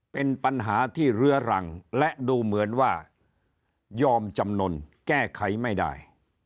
เป็นปัญหาที่เรื้อรังและดูเหมือนว่ายอมจำนวนแก้ไขไม่ได้